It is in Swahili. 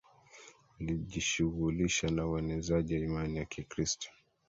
walijishughulisha na uenezaji wa Imani ya Kikristo